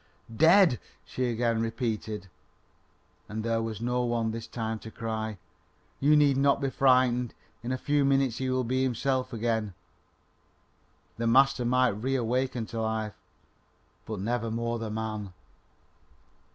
"Dead!" she again repeated. And there was no one this time to cry: "You need not be frightened; in a few minutes he will be himself again." The master might reawaken to life, but never more the man.